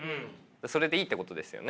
それでいいってことですよね。